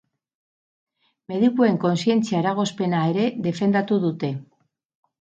Medikuen kontzientzia-eragozpena ere defendatu dute.